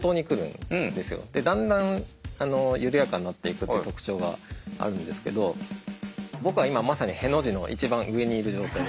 でだんだん緩やかになっていくっていう特徴があるんですけど僕は今まさにへの字の一番上にいる状態。